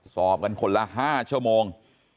สอบกันคนละ๕ชั่วโมง